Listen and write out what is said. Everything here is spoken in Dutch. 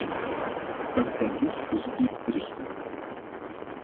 Dat zijn dus positieve berichten.